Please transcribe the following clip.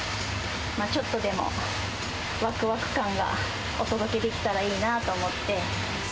ちょっとでもわくわく感がお届けできたらいいなと思って。